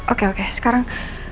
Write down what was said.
oke oke sekarang